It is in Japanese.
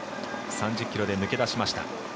３０ｋｍで抜け出しました。